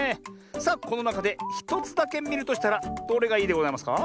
さあこのなかで１つだけみるとしたらどれがいいでございますか？